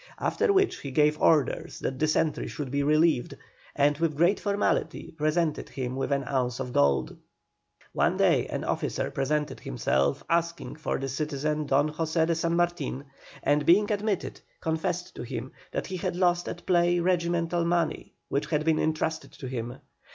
After which he gave orders that the sentry should be relieved, and with great formality presented him with an ounce of gold. One day an officer presented himself, asking for the citizen Don José de San Martin, and being admitted, confessed to him that he had lost at play regimental money which had been entrusted to him.